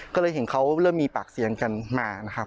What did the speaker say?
ก็เลยเห็นเขาเริ่มมีปากเสียงกันมานะครับ